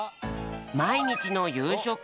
まいにちのゆうしょく。